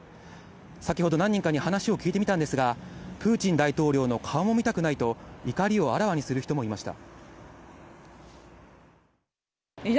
先ほど、何人かに話を聞いてみたんですが、プーチン大統領の顔も見たくないと、怒りをあらわにする人もいました。